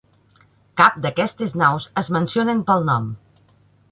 Cap d'aquestes naus es mencionen pel nom.